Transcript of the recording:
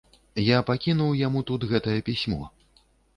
Я пакіну яму тут гэтае пісьмо.